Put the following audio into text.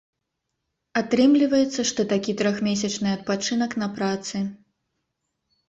Атрымліваецца, што такі трохмесячны адпачынак на працы.